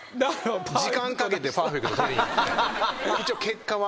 時間かけてパーフェクト取りにいって。